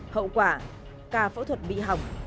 hậu quả ca phẫu thuật bị hỏng